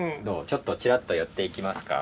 ちょっとちらっと寄っていきますか？